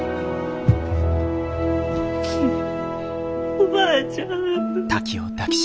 おばあちゃん。